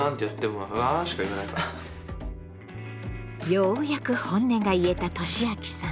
ようやく本音が言えたとしあきさん。